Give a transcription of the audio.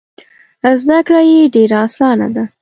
زده کړه یې ډېره اسانه ده.